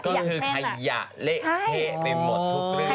ก็คือขยะเละเทะไปหมดทุกเรื่อง